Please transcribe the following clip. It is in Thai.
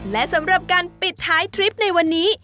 และสำหรับการปิดท้ายทริปในวันนี้